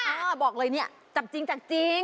อ้าวบอกเลยเนี่ยจากจริงจากจริง